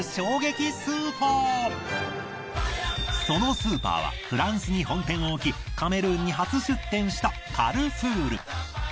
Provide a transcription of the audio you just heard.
そのスーパーはフランスに本店を置きカメルーンに初出店したカルフール。